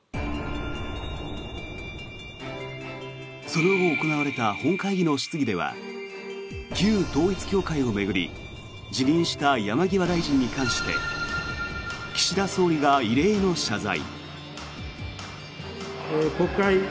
その後、行われた本会議の質疑では旧統一教会を巡り辞任した山際大臣に関して岸田総理が異例の謝罪。